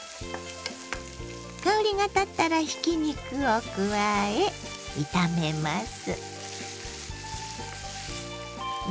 香りが立ったらひき肉を加え炒めます。